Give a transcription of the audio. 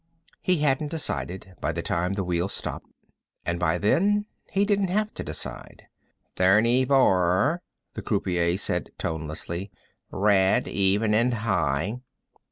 He hadn't decided by the time the wheel stopped, and by then he didn't have to decide. "Thirty four," the croupier said tonelessly. "Red, Even and High."